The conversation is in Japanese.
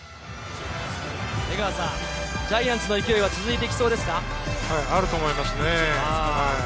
ジャイアンツの勢いは続あると思いますね。